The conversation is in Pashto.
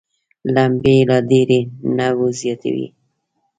لمبې یې لا ډېرې نه وزياتوي.